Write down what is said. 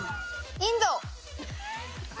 インド！